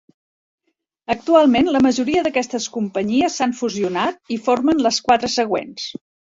Actualment, la majoria d'aquestes companyies s'han fusionat i formen les quatre següents.